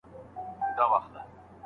په تجارت کي صداقت تر هر څه ارزښت لري.